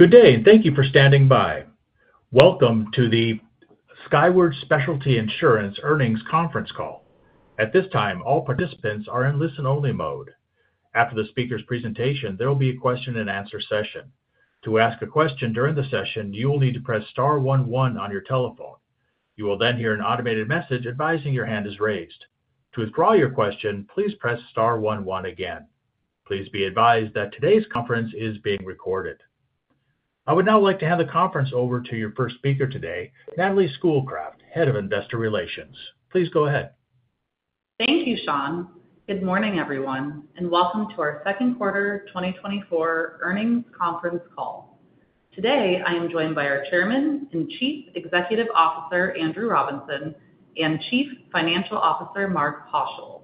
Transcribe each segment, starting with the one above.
Good day, and thank you for standing by. Welcome to the Skyward Specialty Insurance Earnings Conference Call. At this time, all participants are in listen-only mode. After the speaker's presentation, there will be a question-and-answer session. To ask a question during the session, you will need to press star one one on your telephone. You will then hear an automated message advising your hand is raised. To withdraw your question, please press star one one again. Please be advised that today's conference is being recorded. I would now like to hand the conference over to your first speaker today, Natalie Schoolcraft, Head of Investor Relations. Please go ahead. Thank you, Sean. Good morning, everyone, and welcome to our second quarter 2024 earnings conference call. Today, I am joined by our Chairman and Chief Executive Officer, Andrew Robinson, and Chief Financial Officer, Mark Haushill.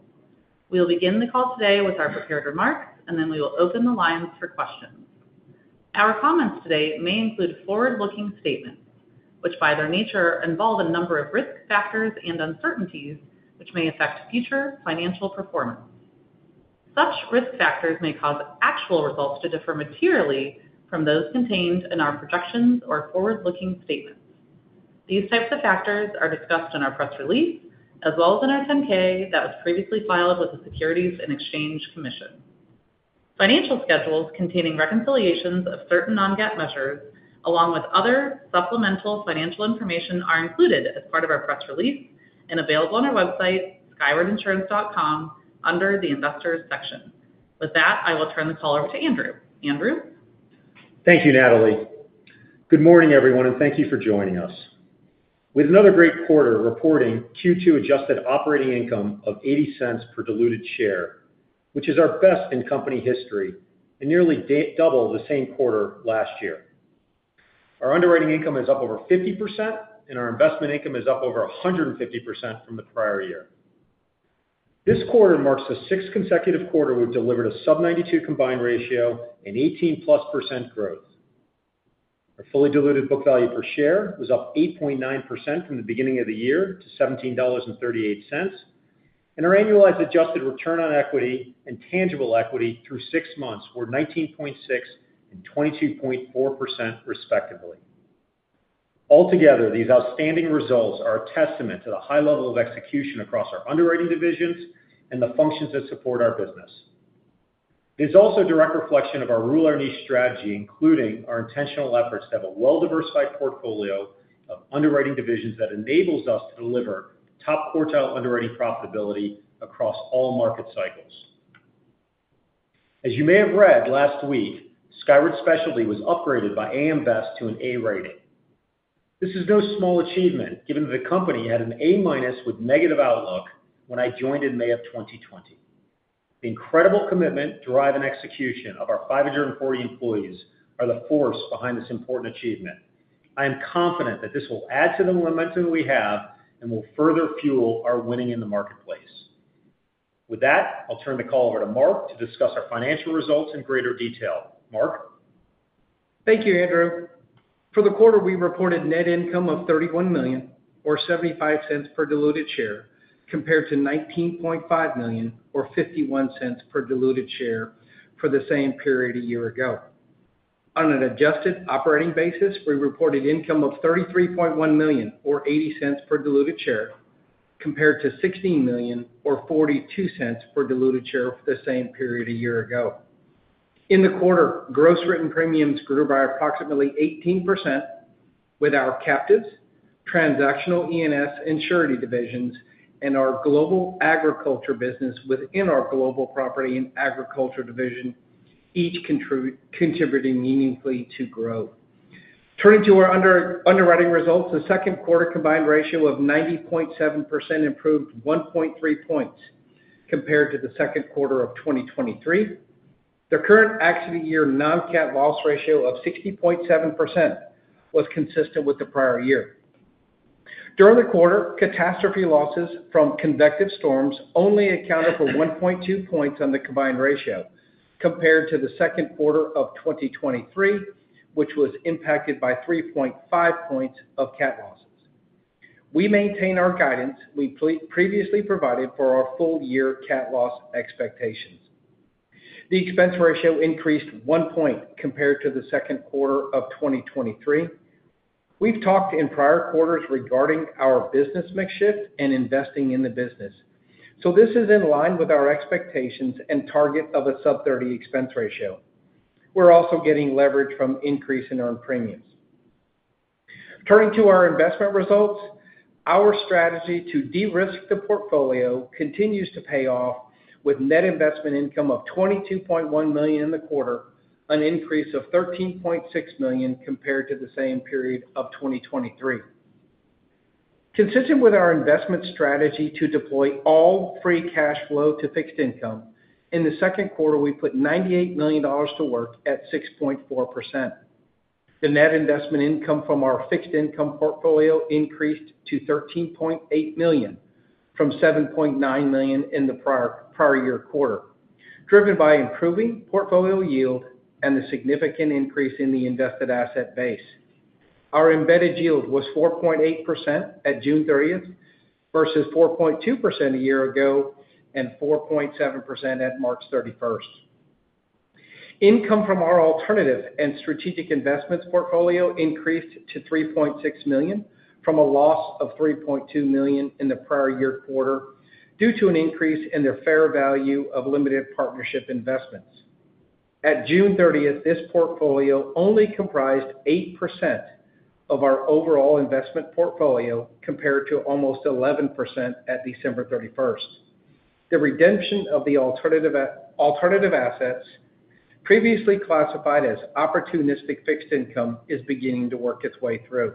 We'll begin the call today with our prepared remarks, and then we will open the lines for questions. Our comments today may include forward-looking statements, which, by their nature, involve a number of risk factors and uncertainties which may affect future financial performance. Such risk factors may cause actual results to differ materially from those contained in our projections or forward-looking statements. These types of factors are discussed in our press release, as well as in our 10-K that was previously filed with the Securities and Exchange Commission. Financial schedules containing reconciliations of certain non-GAAP measures, along with other supplemental financial information, are included as part of our press release and available on our website, skywardspecialty.com, under the Investors section. With that, I will turn the call over to Andrew. Andrew? Thank you, Natalie. Good morning, everyone, and thank you for joining us. With another great quarter, reporting Q2 adjusted operating income of $0.80 per diluted share, which is our best in company history and nearly double the same quarter last year. Our underwriting income is up over 50%, and our investment income is up over 150% from the prior-year. This quarter marks the sixth consecutive quarter we've delivered a sub-92 combined ratio and 18%+ growth. Our fully diluted book value per share was up 8.9% from the beginning of the year to $17.38, and our annualized adjusted return on equity and tangible equity through six months were 19.6% and 22.4%, respectively. Altogether, these outstanding results are a testament to the high level of execution across our underwriting divisions and the functions that support our business. It's also a direct reflection of our true to our niche strategy, including our intentional efforts to have a well-diversified portfolio of underwriting divisions that enables us to deliver top-quartile underwriting profitability across all market cycles. As you may have read, last week, Skyward Specialty was upgraded by AM Best to an A rating. This is no small achievement, given that the company had an A- with negative outlook when I joined in May of 2020. The incredible commitment, drive, and execution of our 540 employees are the force behind this important achievement. I am confident that this will add to the momentum we have and will further fuel our winning in the marketplace. With that, I'll turn the call over to Mark to discuss our financial results in greater detail. Mark? Thank you, Andrew. For the quarter, we reported net income of $31 million, or $0.75 per diluted share, compared to $19.5 million, or $0.51 per diluted share, for the same period a year-ago. On an adjusted operating basis, we reported income of $33.1 million, or $0.80 per diluted share, compared to $16 million or $0.42 per diluted share for the same period a year-ago. In the quarter, gross written premiums grew by approximately 18% with our Captives, Transactional E&S and Surety divisions, and our Global Agriculture business within our Global Property and Agriculture division, each contributing meaningfully to growth. Turning to our underwriting results, the second quarter combined ratio of 90.7% improved 1.3 points compared to the second quarter of 2023. The current accident year non-cat loss ratio of 60.7% was consistent with the prior-year. During the quarter, catastrophe losses from convective storms only accounted for 1.2 points on the combined ratio, compared to the second quarter of 2023, which was impacted by 3.5 points of cat losses. We maintain our guidance previously provided for our full-year cat loss expectations. The expense ratio increased 1 point compared to the second quarter of 2023. We've talked in prior quarters regarding our business mix shift and investing in the business. So this is in line with our expectations and target of a sub-30 expense ratio. We're also getting leverage from increase in earned premiums. Turning to our investment results, our strategy to de-risk the portfolio continues to pay off, with net investment income of $22.1 million in the quarter, an increase of $13.6 million compared to the same period of 2023. Consistent with our investment strategy to deploy all free cash flow to fixed income, in the second quarter, we put $98 million to work at 6.4%. The net investment income from our fixed income portfolio increased to $13.8 million, from $7.9 million in the prior-year quarter, driven by improving portfolio yield and the significant increase in the invested asset base. Our embedded yield was 4.8% at June 30, versus 4.2% a year ago and 4.7% at March 31. Income from our alternative and strategic investments portfolio increased to $3.6 million, from a loss of $3.2 million in the prior-year quarter, due to an increase in the fair value of limited partnership investments. At June 30, this portfolio only comprised 8% of our overall investment portfolio, compared to almost 11% at December 31. The redemption of the alternative alternative assets previously classified as opportunistic fixed income is beginning to work its way through.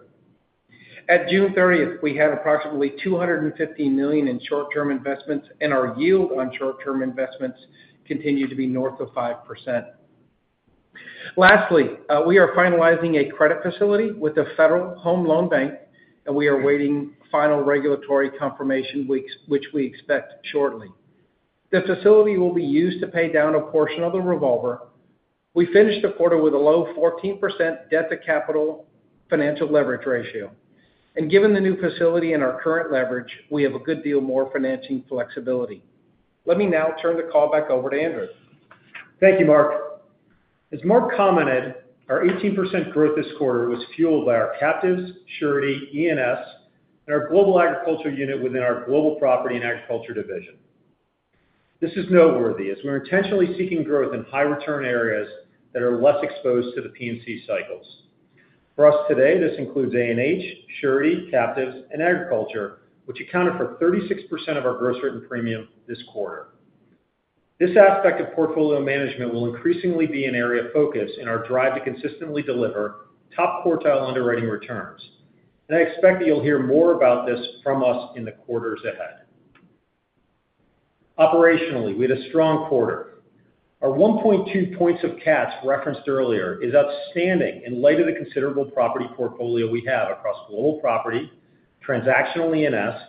At June 30, we had approximately $250 million in short-term investments, and our yield on short-term investments continued to be north of 5%. Lastly, we are finalizing a credit facility with the Federal Home Loan Bank, and we are awaiting final regulatory confirmation weeks, which we expect shortly. The facility will be used to pay down a portion of the revolver. We finished the quarter with a low 14% debt-to-capital financial leverage ratio. Given the new facility and our current leverage, we have a good deal more financing flexibility. Let me now turn the call back over to Andrew. Thank you, Mark. As Mark commented, our 18% growth this quarter was fueled by our Captives, Surety, E&S, and our Global Agricultural unit within our Global Property and Agriculture division. This is noteworthy, as we're intentionally seeking growth in high return areas that are less exposed to the P&C cycles. For us today, this includes A&H, Surety, Captives, and Agriculture, which accounted for 36% of our gross written premium this quarter. This aspect of portfolio management will increasingly be an area of focus in our drive to consistently deliver top-quartile underwriting returns. And I expect that you'll hear more about this from us in the quarters ahead. Operationally, we had a strong quarter. Our 1.2 points of CATs referenced earlier is outstanding in light of the considerable property portfolio we have across Global Property, Transactional E&S,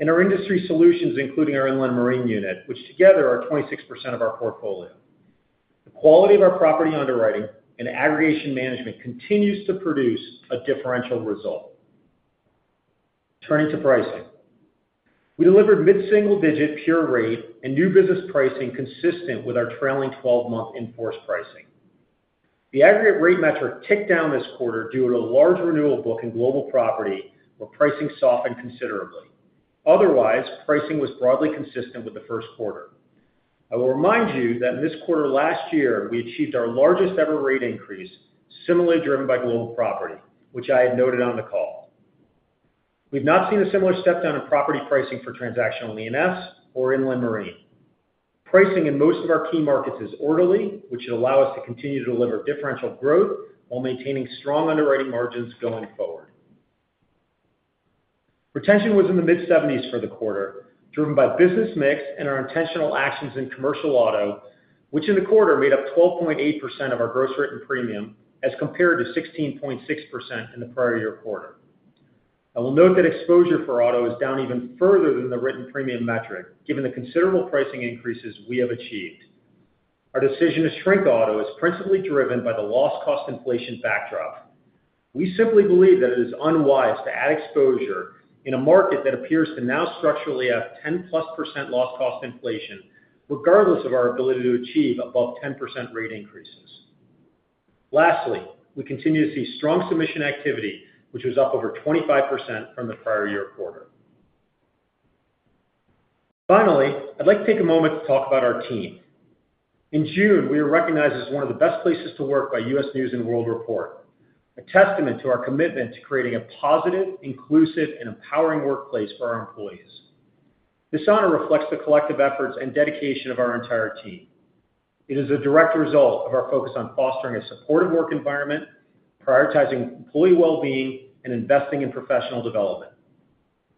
and our Industry Solutions, including our Inland Marine unit, which together are 26% of our portfolio. The quality of our property underwriting and aggregation management continues to produce a differential result. Turning to pricing. We delivered mid-single-digit pure rate and new business pricing consistent with our trailing 12-month enforced pricing. The aggregate rate metric ticked down this quarter due to a large renewal book in Global Property, where pricing softened considerably. Otherwise, pricing was broadly consistent with the first quarter. I will remind you that this quarter last year, we achieved our largest ever rate increase, similarly driven by Global Property, which I had noted on the call. We've not seen a similar step down in property pricing for Transactional E&S or Inland Marine. Pricing in most of our key markets is orderly, which should allow us to continue to deliver differential growth while maintaining strong underwriting margins going forward. Retention was in the mid-70% for the quarter, driven by business mix and our intentional actions in commercial auto, which in the quarter made up 12.8% of our gross written premium, as compared to 16.6% in the prior-year quarter. I will note that exposure for auto is down even further than the written premium metric, given the considerable pricing increases we have achieved. Our decision to shrink auto is principally driven by the loss cost inflation backdrop. We simply believe that it is unwise to add exposure in a market that appears to now structurally have 10%+ loss cost inflation, regardless of our ability to achieve above 10% rate increases. Lastly, we continue to see strong submission activity, which was up over 25% from the prior-year quarter. Finally, I'd like to take a moment to talk about our team. In June, we were recognized as one of the best places to work by U.S. News & World Report, a testament to our commitment to creating a positive, inclusive, and empowering workplace for our employees. This honor reflects the collective efforts and dedication of our entire team. It is a direct result of our focus on fostering a supportive work environment, prioritizing employee well-being, and investing in professional development.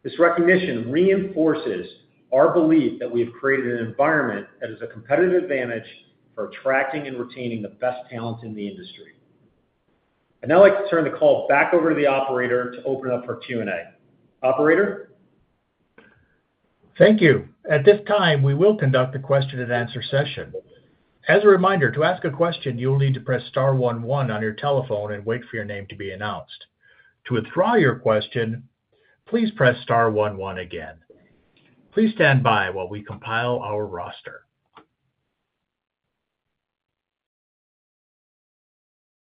This recognition reinforces our belief that we have created an environment that is a competitive advantage for attracting and retaining the best talent in the industry. I'd now like to turn the call back over to the operator to open up for Q&A. Operator? Thank you. At this time, we will conduct a question-and-answer session. As a reminder, to ask a question, you will need to press star one one on your telephone and wait for your name to be announced. To withdraw your question, please press star one one again. Please stand by while we compile our roster.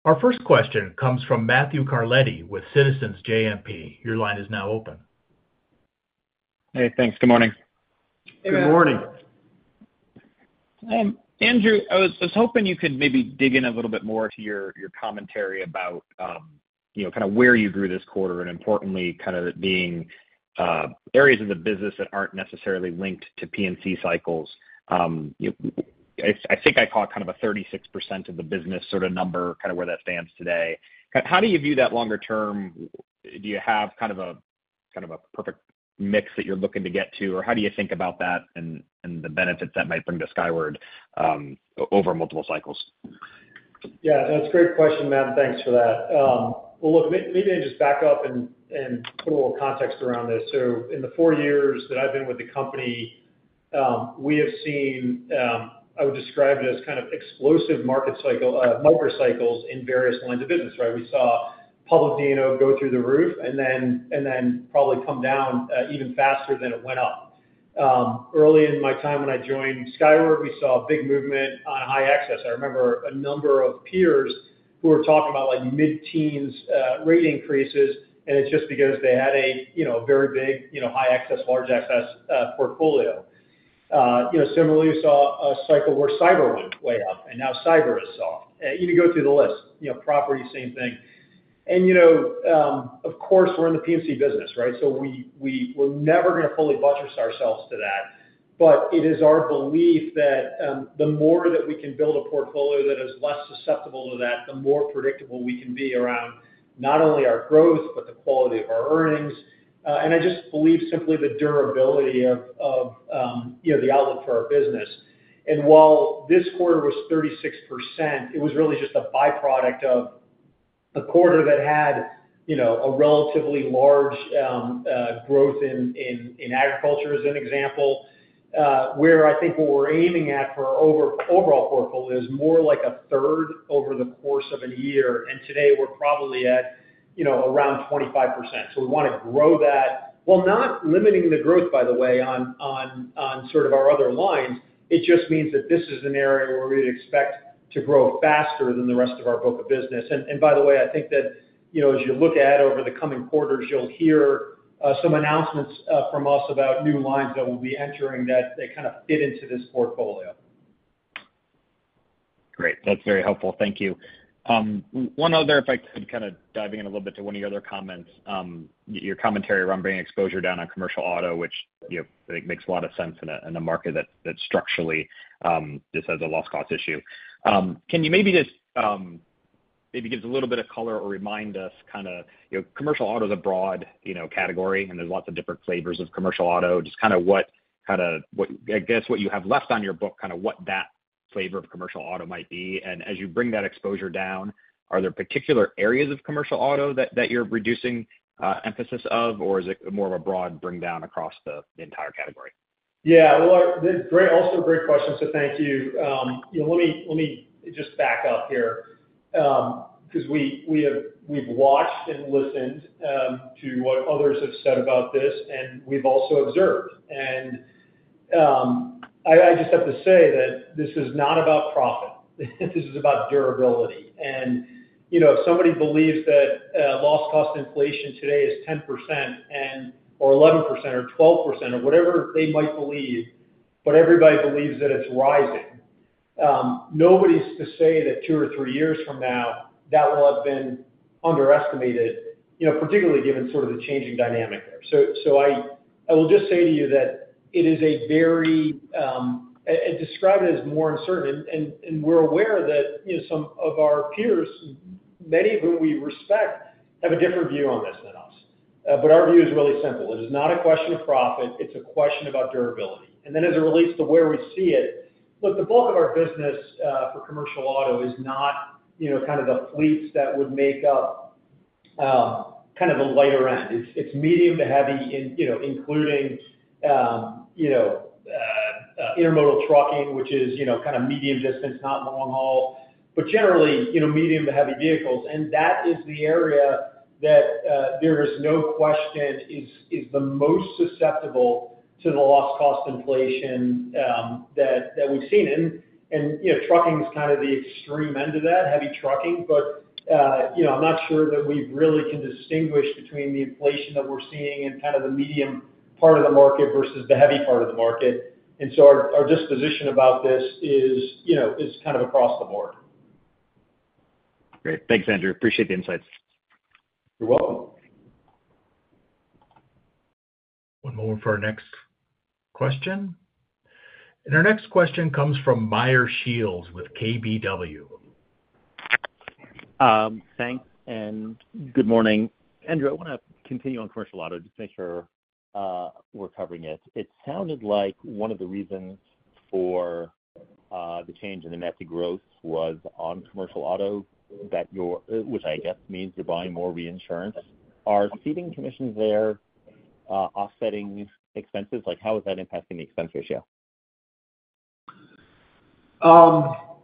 Our first question comes from Matthew Carletti with Citizens JMP. Your line is now open. Hey, thanks. Good morning. Hey, Matt. Good morning. Andrew, I was hoping you could maybe dig in a little bit more to your commentary about, you know, kind of where you grew this quarter, and importantly, kind of it being areas of the business that aren't necessarily linked to P&C cycles. I think I caught kind of a 36% of the business sort of number, kind of where that stands today. How do you view that longer-term? Do you have kind of a perfect mix that you're looking to get to? Or how do you think about that and the benefits that might bring to Skyward, over multiple cycles? Yeah, that's a great question, Matt, and thanks for that. Well, look, let me maybe just back up and put a little context around this. So in the four years that I've been with the company, we have seen, I would describe it as kind of explosive market cycle, multiples in various lines of business, right? We saw public D&O go through the roof and then probably come down even faster than it went up. Early in my time when I joined Skyward, we saw a big movement on excess. I remember a number of peers who were talking about, like, mid-teens rate increases, and it's just because they had a, you know, very big, you know, excess, large excess portfolio. You know, similarly, you saw a cycle where cyber went way up, and now cyber is soft. You can go through the list, you know, property, same thing. And, you know, of course, we're in the PMC business, right? So we're never gonna fully buttress ourselves to that. But it is our belief that, the more that we can build a portfolio that is less susceptible to that, the more predictable we can be around not only our growth, but the quality of our earnings. And I just believe simply the durability of, you know, the outlet for our business. And while this quarter was 36%, it was really just a byproduct of a quarter that had, you know, a relatively large, growth in Agriculture, as an example. Where I think what we're aiming at for our over- overall portfolio is more like a third over the course of a year, and today we're probably at, you know, around 25%. So we want to grow that, while not limiting the growth, by the way, on sort of our other lines. It just means that this is an area where we'd expect to grow faster than the rest of our book of business. And by the way, I think that, you know, as you look at over the coming quarters, you'll hear some announcements from us about new lines that we'll be entering, that kind of fit into this portfolio. Great. That's very helpful. Thank you. One other, if I could, kind of diving in a little bit to one of your other comments, your commentary around bringing exposure down on commercial auto, which, you know, I think makes a lot of sense in a market that structurally just has a loss cost issue. Can you maybe just, maybe give us a little bit of color or remind us kind of, you know, commercial auto is a broad category, and there's lots of different flavors of commercial auto. Just kind of what, kind of what. I guess, what you have left on your book, kind of what that flavor of commercial auto might be. And as you bring that exposure down, are there particular areas of commercial auto that you're reducing emphasis of, or is it more of a broad bring down across the entire category? Yeah. Well, great, also great question, so thank you. You know, let me just back up here, because we've watched and listened to what others have said about this, and we've also observed. And, I just have to say that this is not about profit, this is about durability. And, you know, if somebody believes that loss cost inflation today is 10% or 11% or 12%, or whatever they might believe, but everybody believes that it's rising, nobody's to say that two or three years from now, that will have been underestimated, you know, particularly given sort of the changing dynamic there. So, I will just say to you that it is a very. I'd describe it as more uncertain, and we're aware that, you know, some of our peers, many of whom we respect, have a different view on this than us. But our view is really simple. It is not a question of profit, it's a question about durability. And then as it relates to where we see it, look, the bulk of our business for commercial auto is not, you know, kind of the fleets that would make up kind of the lighter end. It's medium to heavy, you know, including intermodal trucking, which is, you know, kind of medium distance, not long haul. But generally, you know, medium to heavy vehicles, and that is the area that there is no question is the most susceptible to the loss cost inflation that we've seen. You know, trucking is kind of the extreme end of that, heavy trucking. But you know, I'm not sure that we really can distinguish between the inflation that we're seeing in kind of the medium part of the market versus the heavy part of the market. And so our, our disposition about this is, you know, is kind of across the board. Great. Thanks, Andrew. Appreciate the insights. You're welcome. One moment for our next question. Our next question comes from Meyer Shields with KBW. Thanks, and good morning. Andrew, I want to continue on commercial auto, just make sure we're covering it. It sounded like one of the reasons for the change in the net new growth was on commercial auto, that you're, which I guess means you're buying more reinsurance. Are ceding commissions there offsetting expenses? Like, how is that impacting the expense ratio?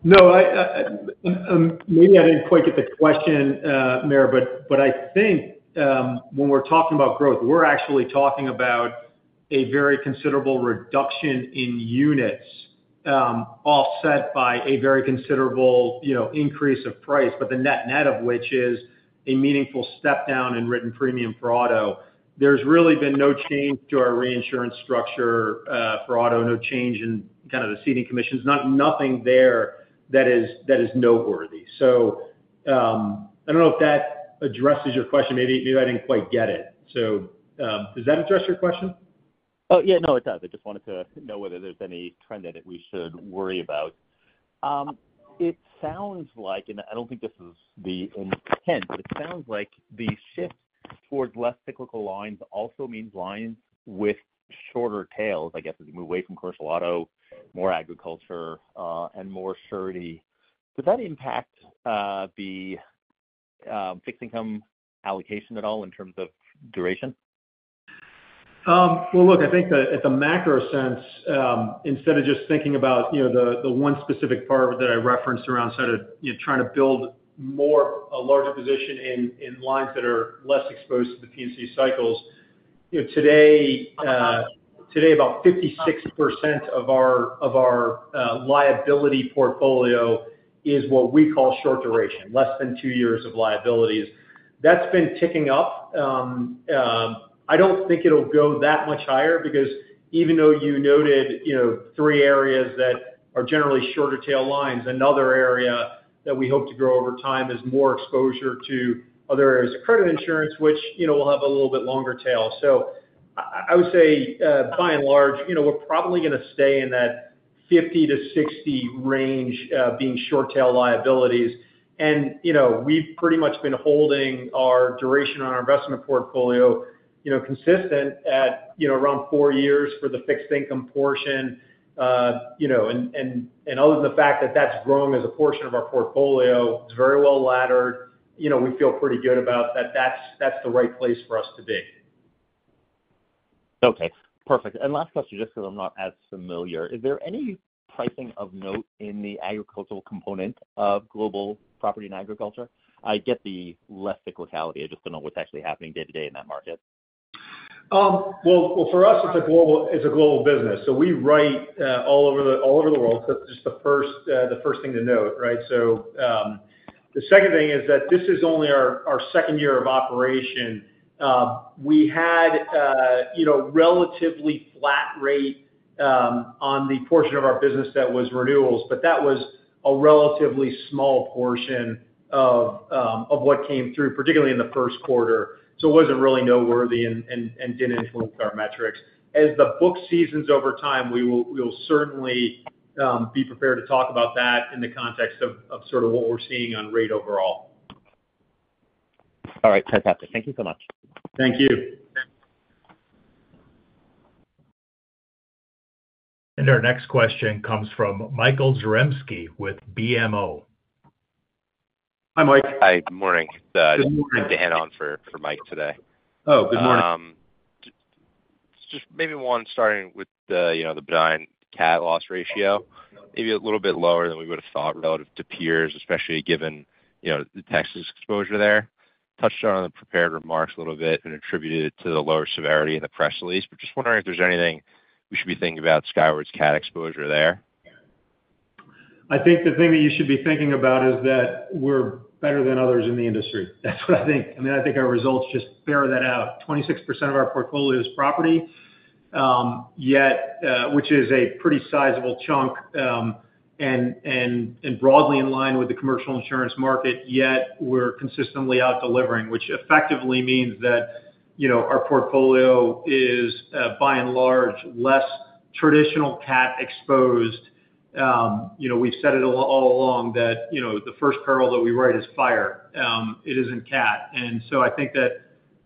No, I, I, maybe I didn't quite get the question, Meyer, but, but I think, when we're talking about growth, we're actually talking about a very considerable reduction in units, offset by a very considerable, you know, increase of price, but the net net of which is a meaningful step down in written premium for auto. There's really been no change to our reinsurance structure, for auto, no change in kind of the ceding commissions. Nothing there that is, that is newsworthy. So, I don't know if that addresses your question. Maybe, maybe I didn't quite get it. So, does that address your question? Oh, yeah, no, it does. I just wanted to know whether there's any trend in it we should worry about. It sounds like, and I don't think this is the intent, but it sounds like the shift towards less cyclical lines also means lines with shorter tails, I guess, as you move away from commercial auto, more Agriculture, and more Surety. Does that impact the fixed income allocation at all in terms of duration? Well, look, I think that at the macro sense, instead of just thinking about, you know, the one specific part that I referenced around sort of, you know, trying to build more, a larger position in, in lines that are less exposed to the P&C cycles. You know, today, about 56% of our liability portfolio is what we call short duration, less than two years of liabilities. That's been ticking up. I don't think it'll go that much higher, because even though you noted, you know, three areas that are generally shorter tail lines, another area that we hope to grow over time is more exposure to other areas of credit insurance, which, you know, will have a little bit longer tail. So I would say by and large, you know, we're probably gonna stay in that 50%-60% range, being short-tail liabilities. And, you know, we've pretty much been holding our duration on our investment portfolio, you know, consistent at, you know, around four years for the fixed income portion. You know, and other than the fact that that's growing as a portion of our portfolio, it's very well laddered. You know, we feel pretty good about that. That's the right place for us to be. Okay, perfect. And last question, just because I'm not as familiar, is there any pricing of note in the agricultural component of Global Property and Agriculture? I get the less cyclicality. I just don't know what's actually happening day to day in that market. Well, for us, it's a global business, so we write all over the world. So just the first thing to note, right? So, the second thing is that this is only our second year of operation. We had, you know, relatively flat rate on the portion of our business that was renewals, but that was a relatively small portion of what came through, particularly in the first quarter. So it wasn't really noteworthy and didn't influence our metrics. As the book seasons over time, we'll certainly be prepared to talk about that in the context of sort of what we're seeing on rate overall. All right. Fantastic. Thank you so much. Thank you. Our next question comes from Michael Zaremski with BMO. Hi, Mike. Hi, good morning. Good morning. Dan on for Mike today. Oh, good morning. Just maybe one, starting with the, you know, the benign cat loss ratio, maybe a little bit lower than we would have thought relative to peers, especially given, you know, the Texas exposure there. Touched on the prepared remarks a little bit and attributed it to the lower severity in the press release. But just wondering if there's anything we should be thinking about Skyward's cat exposure there? I think the thing that you should be thinking about is that we're better than others in the industry. That's what I think. I mean, I think our results just bear that out. 26% of our portfolio is property, yet, which is a pretty sizable chunk, and broadly in line with the commercial insurance market, yet we're consistently out-delivering, which effectively means that, you know, our portfolio is, by and large, less traditional cat exposed. You know, we've said it all along that, you know, the first peril that we write is fire, it isn't cat. And so I think that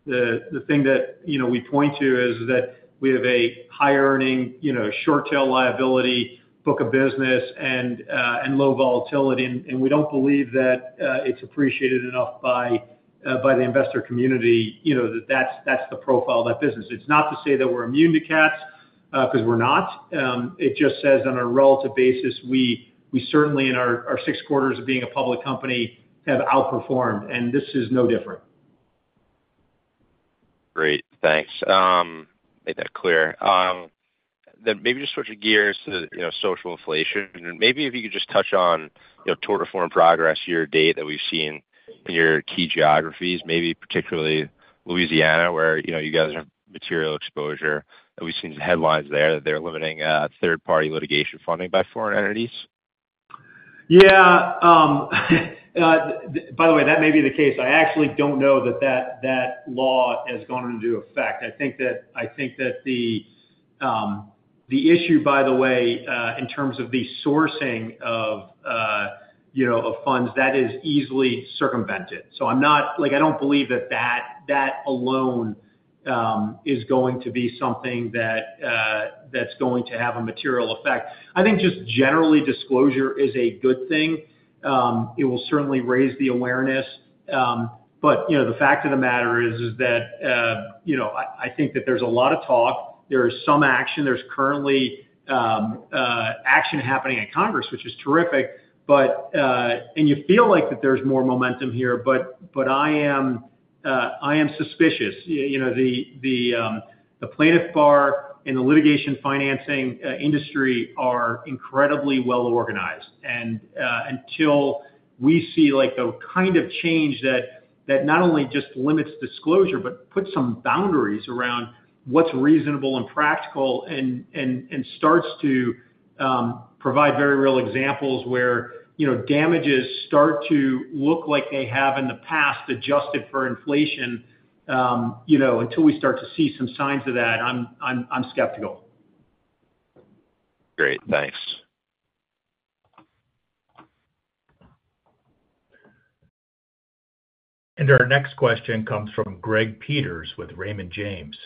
the thing that, you know, we point to is that we have a high earning, you know, short tail liability, book of business, and low volatility. We don't believe that it's appreciated enough by the investor community, you know, that that's the profile of that business. It's not to say that we're immune to cats, because we're not. It just says, on a relative basis, we certainly, in our six quarters of being a public company, have outperformed, and this is no different. Great. Thanks, make that clear. Then maybe just switching gears to, you know, social inflation. Maybe if you could just touch on, you know, tort reform progress year to date that we've seen in your key geographies, maybe particularly Louisiana, where, you know, you guys have material exposure. We've seen the headlines there, that they're limiting third-party litigation funding by foreign entities. Yeah, by the way, that may be the case. I actually don't know that law has gone into effect. I think that the issue, by the way, in terms of the sourcing of, you know, of funds, that is easily circumvented. So I'm not like, I don't believe that alone is going to be something that's going to have a material effect. I think just generally disclosure is a good thing. It will certainly raise the awareness. But, you know, the fact of the matter is that, you know, I think that there's a lot of talk, there is some action. There's currently action happening at Congress, which is terrific, but you feel like that there's more momentum here, but I am suspicious. You know, the plaintiff bar and the litigation financing industry are incredibly well organized. Until we see, like, the kind of change that not only just limits disclosure, but puts some boundaries around what's reasonable and practical and starts to provide very real examples where, you know, damages start to look like they have in the past, adjusted for inflation. You know, until we start to see some signs of that, I'm skeptical. Great. Thanks. Our next question comes from Greg Peters with Raymond James.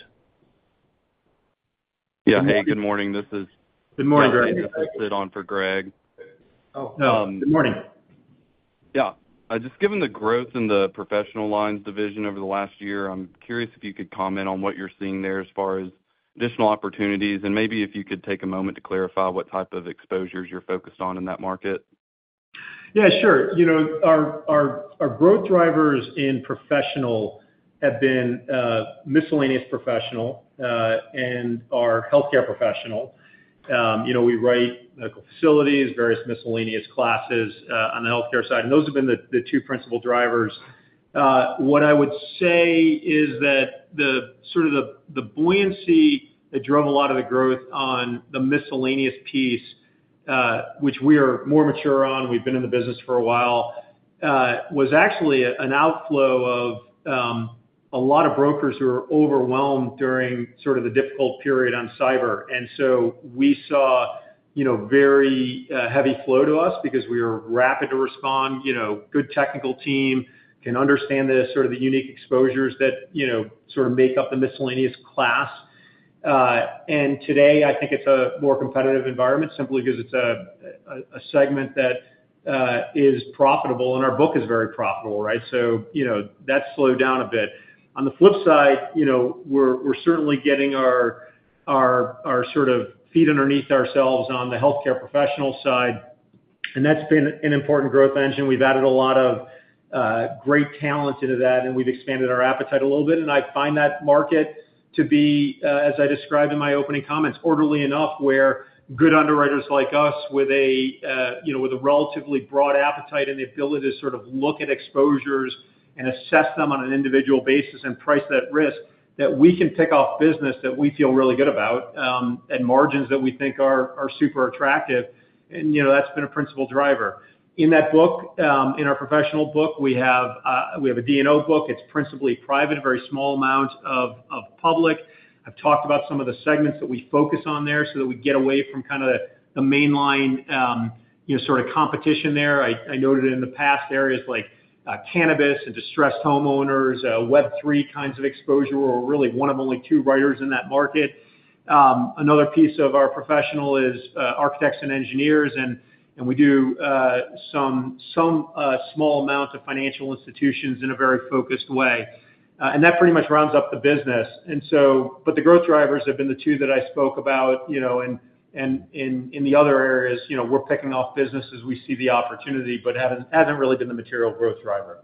Yeah, hey, good morning. This is Good morning, Greg. Sitting in for Greg. Oh, good morning. Yeah. Just given the growth in the Professional Lines division over the last year, I'm curious if you could comment on what you're seeing there as far as additional opportunities, and maybe if you could take a moment to clarify what type of exposures you're focused on in that market? Yeah, sure. You know, our growth drivers in professional have been miscellaneous professional and our healthcare professional. You know, we write medical facilities, various miscellaneous classes on the healthcare side, and those have been the two principal drivers. What I would say is that the sort of buoyancy that drove a lot of the growth on the miscellaneous piece, which we are more mature on, we've been in the business for a while, was actually an outflow of a lot of brokers who were overwhelmed during sort of the difficult period on cyber. And so we saw, you know, very heavy flow to us because we were rapid to respond, you know, good technical team, can understand the sort of unique exposures that, you know, sort of make up the miscellaneous class. Today, I think it's a more competitive environment, simply because it's a segment that is profitable, and our book is very profitable, right? So, you know, that's slowed down a bit. On the flip side, you know, we're certainly getting our sort of feet underneath ourselves on the healthcare professional side, and that's been an important growth engine. We've added a lot of great talent into that, and we've expanded our appetite a little bit. I find that market to be, as I described in my opening comments, orderly enough where good underwriters like us, with a, you know, with a relatively broad appetite and the ability to sort of look at exposures and assess them on an individual basis and price that risk, that we can pick off business that we feel really good about, and margins that we think are, are super attractive. You know, that's been a principal driver. In that book, in our professional book, we have a D&O book. It's principally private, a very small amount of public. I've talked about some of the segments that we focus on there so that we get away from kind of the mainline, you know, sort of competition there. I noted in the past areas like cannabis and distressed homeowners, Web3 kinds of exposure, where we're really one of only two writers in that market. Another piece of our professional is architects and engineers, and we do some small amounts of financial institutions in a very focused way. And that pretty much rounds up the business. And so, but the growth drivers have been the two that I spoke about, you know, and in the other areas, you know, we're picking off businesses. We see the opportunity, but hasn't really been the material growth driver.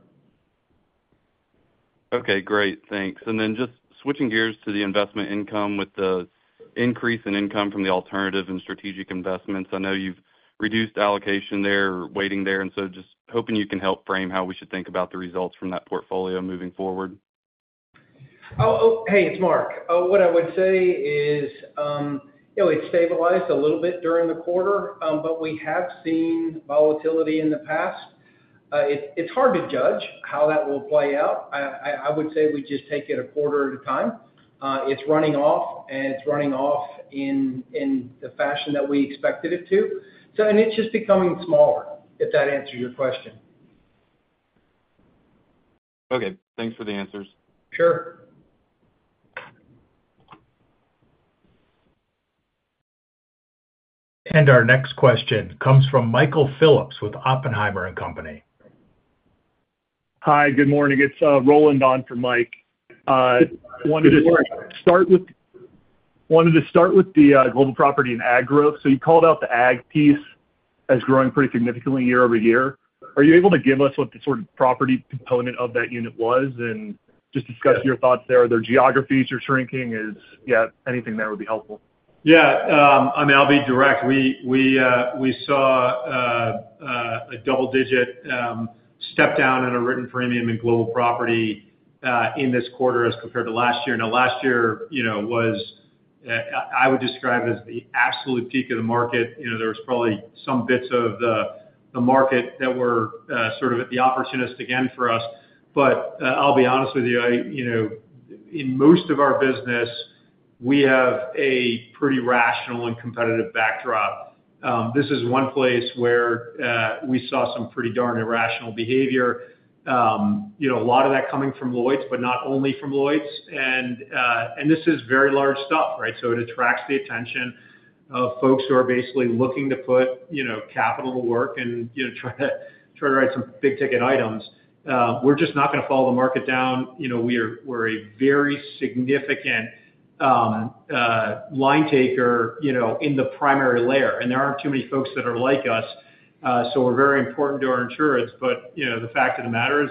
Okay, great. Thanks. And then just switching gears to the investment income, with the increase in income from the alternative and strategic investments, I know you've reduced allocation there, weighting there, and so just hoping you can help frame how we should think about the results from that portfolio moving forward. Oh, oh, hey, it's Mark. What I would say is, you know, it stabilized a little bit during the quarter, but we have seen volatility in the past. It's hard to judge how that will play out. I would say we just take it a quarter at a time. It's running off, and it's running off in the fashion that we expected it to. So, it's just becoming smaller, if that answers your question. Okay, thanks for the answers. Sure. Our next question comes from Michael Phillips with Oppenheimer and Company. Hi, good morning. It's Rowland on for Mike. Wanted to start with the global property and ag growth. So you called out the ag piece as growing pretty significantly year-over-year. Are you able to give us what the sort of property component of that unit was and just discuss your thoughts there? Are there geographies you're shrinking? Is. Yeah, anything there would be helpful. Yeah, I mean, I'll be direct. We saw a double digit step down in a written premium in Global Property in this quarter as compared to last year. Now, last year, you know, was, I would describe, as the absolute peak of the market. You know, there was probably some bits of the market that were sort of at the opportunist again for us. But I'll be honest with you, I, you know, in most of our business, we have a pretty rational and competitive backdrop. This is one place where we saw some pretty darn irrational behavior. You know, a lot of that coming from Lloyd's, but not only from Lloyd's. And this is very large stuff, right? So it attracts the attention of folks who are basically looking to put, you know, capital to work and, you know, try to write some big-ticket items. We're just not going to follow the market down. You know, we're a very significant line taker, you know, in the primary layer, and there aren't too many folks that are like us, so we're very important to our insurers. But, you know, the fact of the matter is,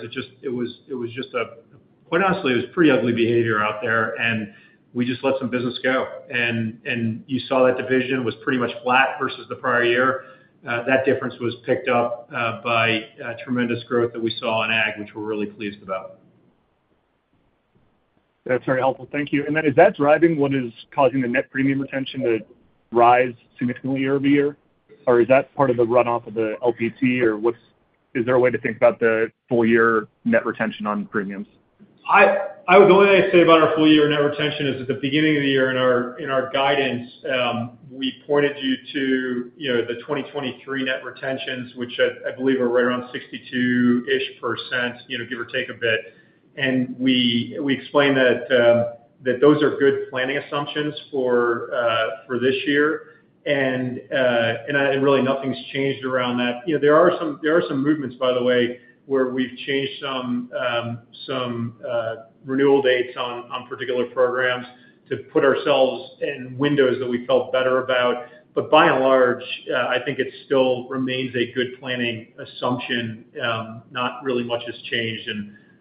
quite honestly, it was pretty ugly behavior out there, and we just let some business go. And you saw that division was pretty much flat versus the prior year. That difference was picked up by tremendous growth that we saw in ag, which we're really pleased about. That's very helpful. Thank you. And then, is that driving what is causing the net premium retention to rise significantly year-over-year? Or is that part of the run off of the LPT, or what's, Is there a way to think about the full year net retention on premiums? I would. The only thing I'd say about our full year net retention is, at the beginning of the year, in our guidance, we pointed you to, you know, the 2023 net retentions, which I believe are right around 62% ish, you know, give or take a bit. And we explained that those are good planning assumptions for this year. And really, nothing's changed around that. You know, there are some movements, by the way, where we've changed some renewal dates on particular programs to put ourselves in windows that we felt better about. But by and large, I think it still remains a good planning assumption. Not really much has changed,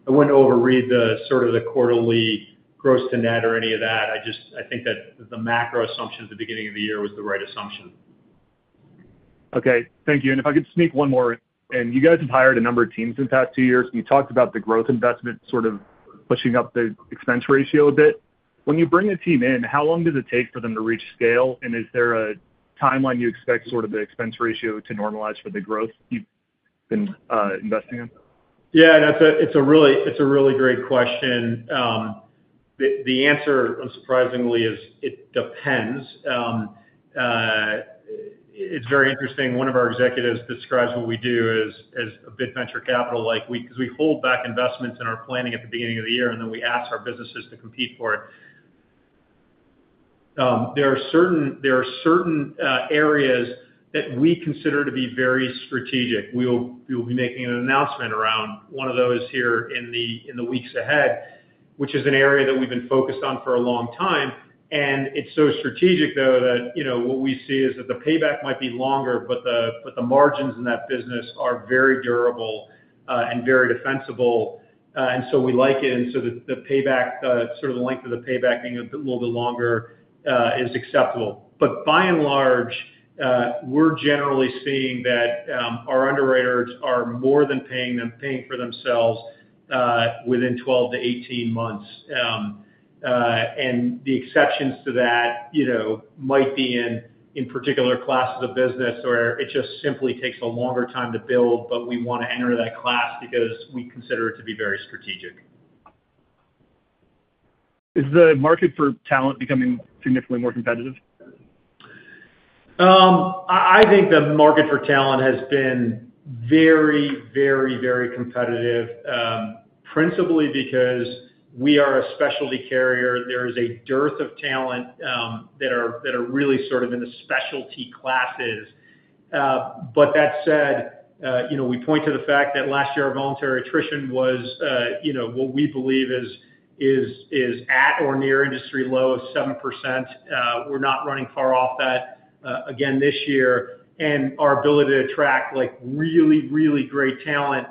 and I wouldn't overread the sort of the quarterly gross to net or any of that. I just, I think that the macro assumption at the beginning of the year was the right assumption. Okay, thank you. If I could sneak one more in. You guys have hired a number of teams in the past two years. You talked about the growth investment sort of pushing up the expense ratio a bit. When you bring a team in, how long does it take for them to reach scale? Is there a timeline you expect sort of the expense ratio to normalize for the growth you've been investing in? Yeah, that's a, it's a really, it's a really great question. The answer, unsurprisingly, is it depends. It's very interesting, one of our executives describes what we do as a bit venture capital-like. 'Cause we hold back investments in our planning at the beginning of the year, and then we ask our businesses to compete for it. There are certain areas that we consider to be very strategic. We will be making an announcement around one of those here in the weeks ahead, which is an area that we've been focused on for a long time. And it's so strategic, though, that, you know, what we see is that the payback might be longer, but the margins in that business are very durable and very defensible. And so we like it, and so the payback, sort of the length of the payback being a bit little bit longer, is acceptable. But by and large, we're generally seeing that, our underwriters are more than paying them, paying for themselves, within 12-18 months. And the exceptions to that, you know, might be in particular classes of business, or it just simply takes a longer time to build, but we want to enter that class because we consider it to be very strategic. Is the market for talent becoming significantly more competitive? I think the market for talent has been very, very, very competitive, principally because we are a specialty carrier. There is a dearth of talent that are really sort of in the specialty classes. But that said, you know, we point to the fact that last year, our voluntary attrition was, you know, what we believe is at or near industry low of 7%. We're not running far off that, again, this year. And our ability to attract, like, really, really great talent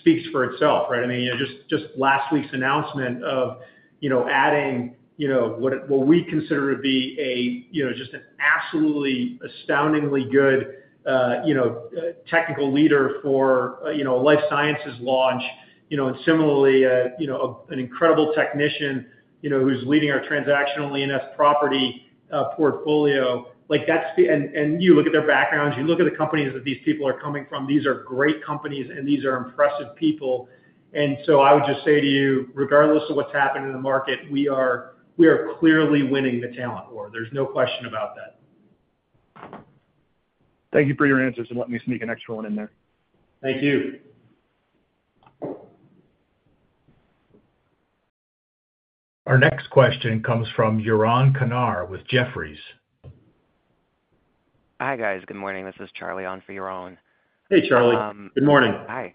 speaks for itself, right? I mean, you know, just last week's announcement of, you know, adding, you know, what we consider to be a, you know, just an absolutely astoundingly good technical leader for, you know, a life sciences launch, you know, and similarly, you know, an incredible technician, you know, who's leading our Transactional E&S Property portfolio. Like, that's the. And you look at their backgrounds, you look at the companies that these people are coming from, these are great companies, and these are impressive people. And so I would just say to you, regardless of what's happened in the market, we are clearly winning the talent war. There's no question about that. Thank you for your answers, and let me sneak an extra one in there. Thank you. Our next question comes from Yaron Kinar with Jefferies. Hi, guys. Good morning. This is Charlie on for Yaron. Hey, Charlie. Good morning. Hi.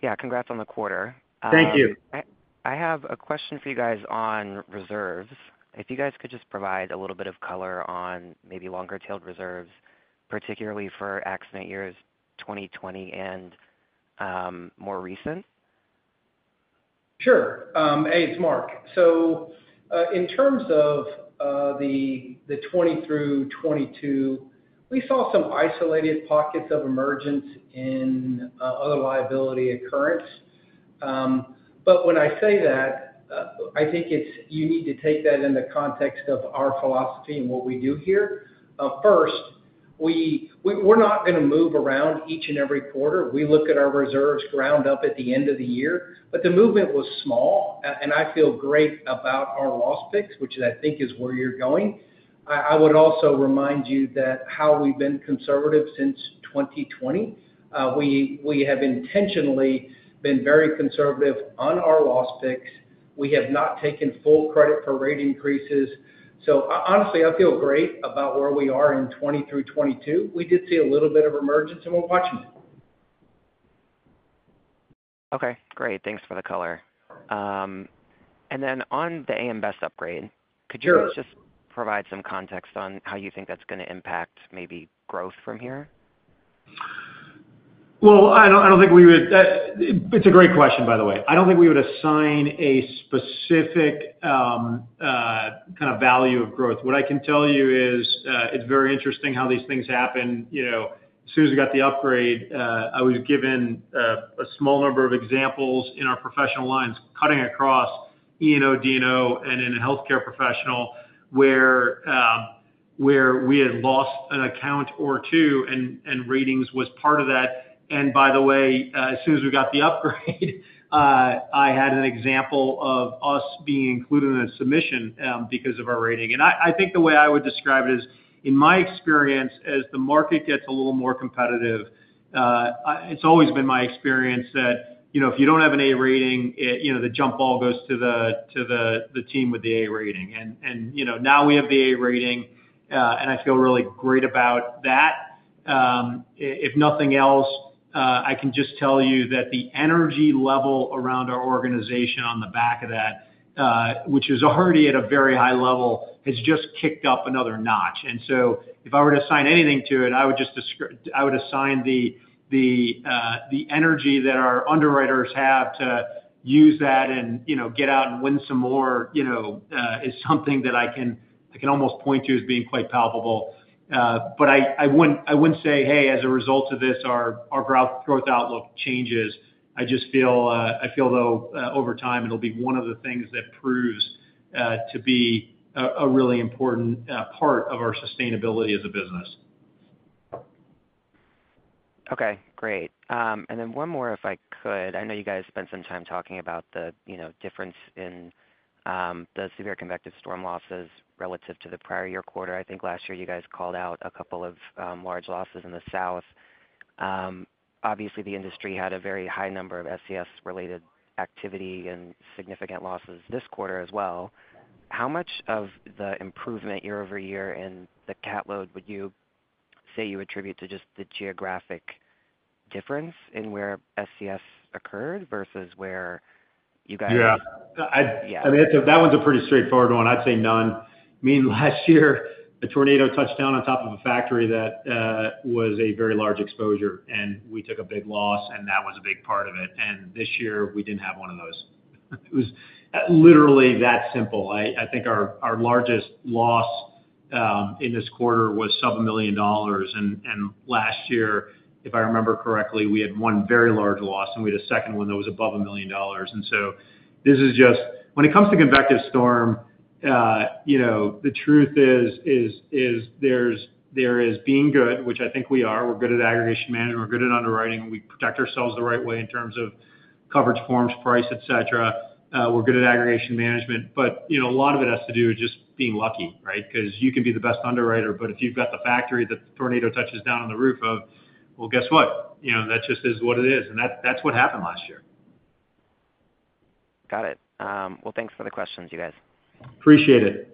Yeah, congrats on the quarter. Thank you. I have a question for you guys on reserves. If you guys could just provide a little bit of color on maybe longer-tailed reserves, particularly for accident years 2020 and more recent? Sure. Hey, it's Mark. So, in terms of the 2020 through 2022, we saw some isolated pockets of emergence in other liability occurrence. But when I say that, I think it's, you need to take that in the context of our philosophy and what we do here. First, we're not gonna move around each and every quarter. We look at our reserves ground up at the end of the year, but the movement was small. And I feel great about our loss picks, which I think is where you're going. I would also remind you that how we've been conservative since 2020. We have intentionally been very conservative on our loss picks. We have not taken full credit for rate increases. So honestly, I feel great about where we are in 2020 through 2022. We did see a little bit of emergence, and we're watching it. Okay, great. Thanks for the color. And then on the AM Best upgrade Sure Could you just provide some context on how you think that's gonna impact maybe growth from here? Well, I don't think we would. It's a great question, by the way. I don't think we would assign a specific kind of value of growth. What I can tell you is, it's very interesting how these things happen. You know, as soon as we got the upgrade, I was given a small number of examples in our Professional Lines, cutting across E&O, D&O, and in a healthcare professional, where we had lost an account or two, and ratings was part of that. And by the way, as soon as we got the upgrade, I had an example of us being included in a submission because of our rating. And I think the way I would describe it is, in my experience, as the market gets a little more competitive. It's always been my experience that, you know, if you don't have an A rating, the jump ball goes to the team with the A rating. And you know, now we have the A rating, and I feel really great about that. If nothing else, I can just tell you that the energy level around our organization on the back of that, which is already at a very high level, has just kicked up another notch. And so if I were to assign anything to it, I would just assign the energy that our underwriters have to use that and, you know, get out and win some more, you know, is something that I can almost point to a being quite palpable. But I wouldn't say, "Hey, as a result of this, our growth outlook changes." I just feel, though, over time, it'll be one of the things that proves to be a really important part of our sustainability as a business. Okay, great. And then one more, if I could. I know you guys spent some time talking about the, you know, difference in the severe convective storm losses relative to the prior-year quarter. I think last year you guys called out a couple of large losses in the South. Obviously, the industry had a very high number of SCS-related activity and significant losses this quarter as well. How much of the improvement year-over-year in the cat load would you say you attribute to just the geographic difference in where SCS occurred versus where you guys Yeah. Yeah. I mean, that one's a pretty straightforward one. I'd say none. I mean, last year, a tornado touched down on top of a factory that was a very large exposure, and we took a big loss, and that was a big part of it. And this year, we didn't have one of those. It was literally that simple. I think our largest loss in this quarter was sub $1 million, and last year, if I remember correctly, we had one very large loss, and we had a second one that was above $1 million. And so this is just when it comes to convective storm, you know, the truth is, there is being good, which I think we are. We're good at aggregation management, we're good at underwriting, and we protect ourselves the right way in terms of coverage forms, price, etc. We're good at aggregation management, but, you know, a lot of it has to do with just being lucky, right? 'Cause you can be the best underwriter, but if you've got the factory that the tornado touches down on the roof of, well, guess what? You know, that just is what it is, and that, that's what happened last year. Got it. Well, thanks for the questions, you guys. Appreciate it.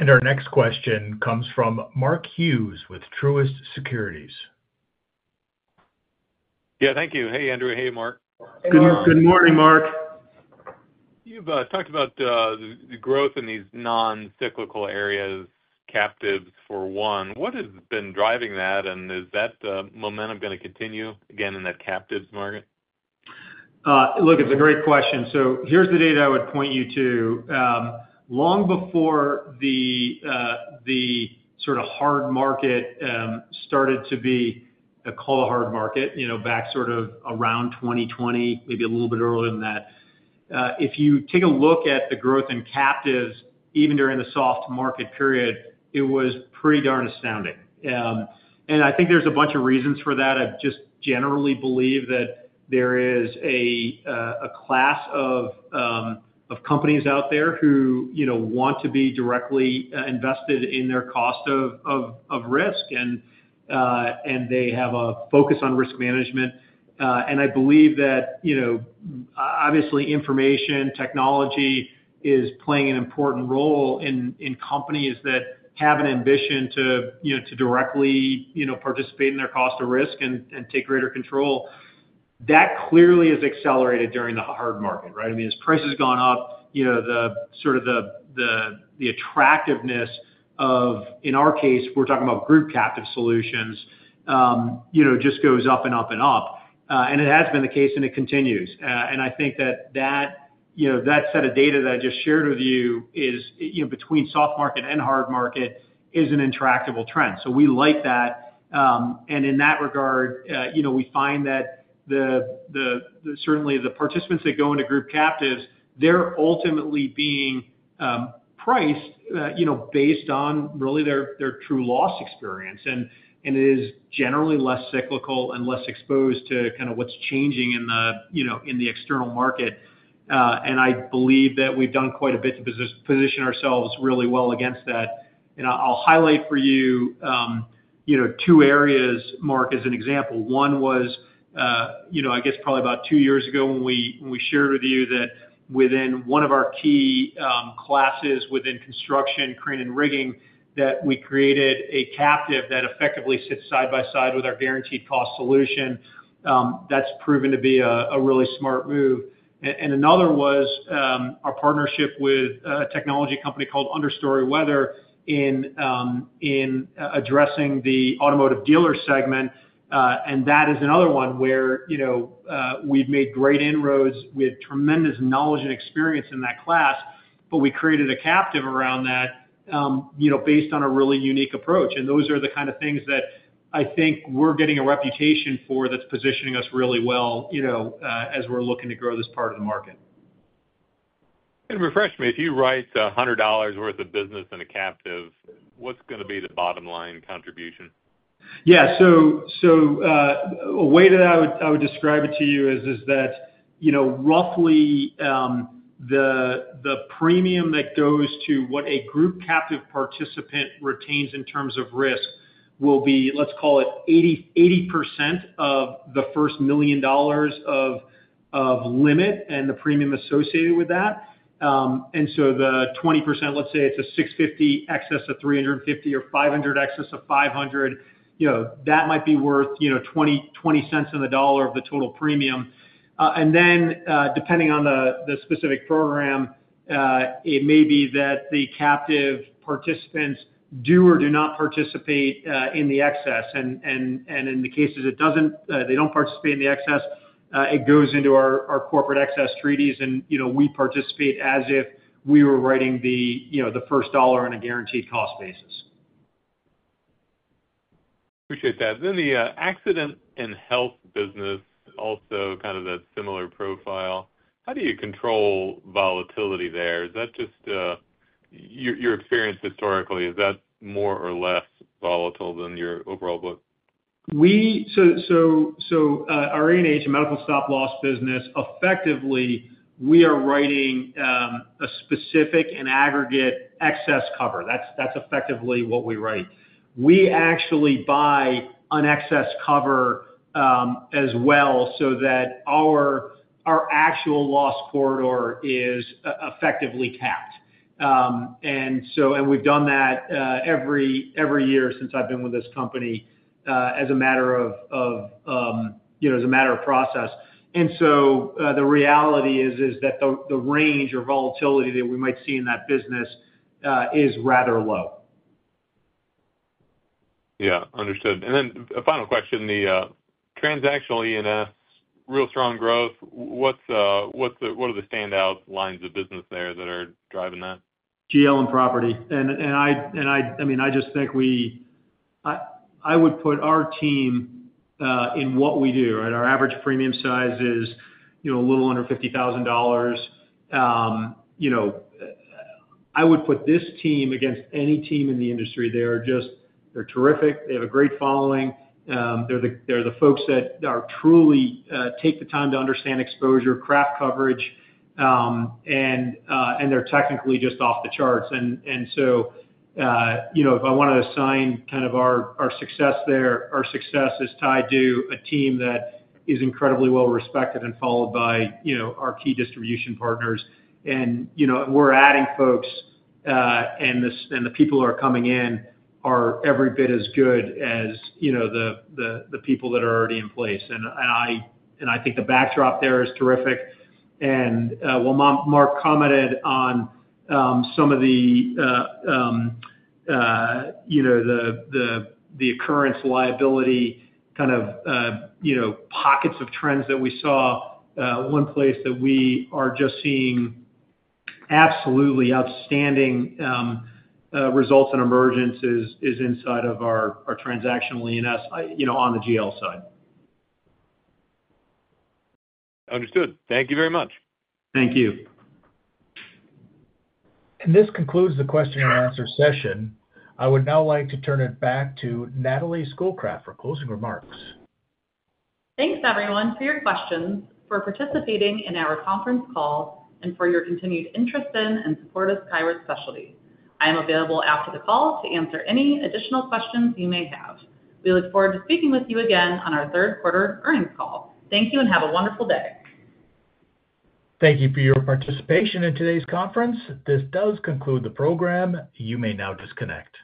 Our next question comes from Mark Hughes with Truist Securities. Yeah, thank you. Hey, Andrew. Hey, Mark. Good morning, Mark. You've talked about the growth in these non-cyclical areas, Captives for one. What has been driving that, and is that momentum gonna continue again in that Captives market? Look, it's a great question. So here's the data I would point you to. Long before the sort of hard market started to be a call, a hard market, you know, back sort of around 2020, maybe a little bit earlier than that. If you take a look at the growth in Captives, even during the soft market period, it was pretty darn astounding. And I think there's a bunch of reasons for that. I just generally believe that there is a class of companies out there who, you know, want to be directly invested in their cost of risk, and they have a focus on risk management. I believe that, you know, obviously, information technology is playing an important role in companies that have an ambition to, you know, to directly, you know, participate in their cost of risk and take greater control. That clearly has accelerated during the hard market, right? I mean, as price has gone up, you know, the sort of the attractiveness of, in our case, we're talking about group captive solutions, you know, just goes up and up and up. And it has been the case, and it continues. And I think that, you know, that set of data that I just shared with you is, you know, between soft market and hard market, an intractable trend. We like that. And in that regard, you know, we find that the certainly the participants that go into group Captives, they're ultimately being priced, you know, based on really their true loss experience. And it is generally less cyclical and less exposed to kind of what's changing in the, you know, in the external market. And I believe that we've done quite a bit to position ourselves really well against that. And I'll highlight for you, you know, two areas, Mark, as an example. One was, you know, I guess probably about two years ago when we, when we shared with you that within one of our key, classes within construction, crane and rigging, that we created a Captive that effectively sits side by side with our guaranteed cost solution, that's proven to be a, a really smart move. And another was, our partnership with a technology company called Understory Weather in, in addressing the automotive dealer segment, and that is another one where, you know, we've made great inroads. We have tremendous knowledge and experience in that class, but we created a Captive around that, you know, based on a really unique approach. Those are the kind of things that I think we're getting a reputation for. That's positioning us really well, you know, as we're looking to grow this part of the market. Refresh me, if you write $100 worth of business in a Captive, what's gonna be the bottom line contribution? Yeah, so a way that I would, I would describe it to you is that, you know, roughly, the premium that goes to what a group Captive participant retains in terms of risk will be, let's call it 80% of the first $1 million of limit and the premium associated with that. And so the 20%, let's say it's a $650 excess of $350 or $500 excess of $500, you know, that might be worth, you know, $0.2 on the dollar of the total premium. And then, depending on the specific program, it may be that the captive participants do or do not participate in the excess. And in the cases it doesn't, they don't participate in the excess, it goes into our corporate excess treaties and, you know, we participate as if we were writing the, you know, the first dollar on a guaranteed cost basis. Appreciate that. Then the Accident and Health business, also kind of that similar profile. How do you control volatility there? Is that just. Your experience historically, is that more or less volatile than your overall book? So, our A&H medical stop-loss business, effectively, we are writing a specific and aggregate excess cover. That's effectively what we write. We actually buy an excess cover as well, so that our actual loss corridor is effectively capped. And so, we've done that every year since I've been with this company as a matter of, you know, as a matter of process. And so, the reality is that the range or volatility that we might see in that business is rather low. Yeah, understood. And then a final question: the Transactional E&S in a real strong growth, what are the standout lines of business there that are driving that? GL and Property. I mean, I just think we, I would put our team in what we do, right? Our average premium size is, you know, a little under $50,000. You know, I would put this team against any team in the industry. They are just terrific. They're terrific. They have a great following. They're the folks that are truly take the time to understand exposure, craft coverage, and they're technically just off the charts. You know, if I want to assign kind of our success there, our success is tied to a team that is incredibly well-respected and followed by, you know, our key distribution partners. And, you know, we're adding folks, and the people who are coming in are every bit as good as, you know, the people that are already in place. And I think the backdrop there is terrific. And, well, Mark commented on some of the, you know, the occurrence liability kind of, you know, pockets of trends that we saw. One place that we are just seeing absolutely outstanding results in emergence is inside of our Transactional E&S, you know, on the GL side. Understood. Thank you very much. Thank you. This concludes the question and answer session. I would now like to turn it back to Natalie Schoolcraft for closing remarks. Thanks, everyone, for your questions, for participating in our conference call, and for your continued interest in and support of Skyward Specialty. I am available after the call to answer any additional questions you may have. We look forward to speaking with you again on our third quarter earnings call. Thank you, and have a wonderful day. Thank you for your participation in today's conference. This does conclude the program. You may now disconnect.